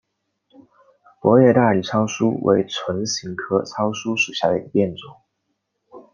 薄叶大理糙苏为唇形科糙苏属下的一个变种。